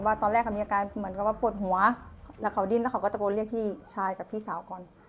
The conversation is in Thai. ตอนแรกเขามีอาการเหมือนกับว่าปวดหัวแล้วเขาดิ้นแล้วเขาก็ตะโกนเรียกพี่ชายกับพี่สาวก่อน